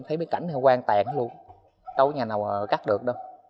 thấy mấy cảnh hoang tàn luôn đâu có nhà nào cắt được đâu